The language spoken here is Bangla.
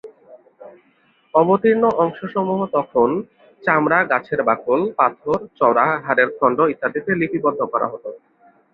অবতীর্ণ অংশসমূহ তখন চামড়া, গাছের বাকল, পাথর, চওড়া হাড়ের খন্ড ইত্যাদিতে লিপিবদ্ধ করা হতো।